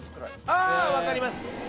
あ分かります。